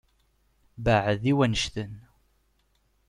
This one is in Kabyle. Beεεed i wannect-en.